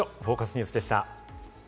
ニュースでした。